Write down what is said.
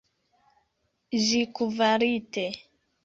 Ĝi kvalite.